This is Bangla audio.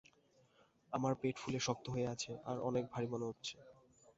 আমার পেট ফুলে শক্ত হয়ে আছে আর অনেক ভারী মনে হচ্ছে।